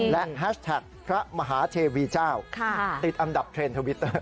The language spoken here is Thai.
และแฮชแท็กพระมหาเทวีเจ้าติดอันดับเทรนด์ทวิตเตอร์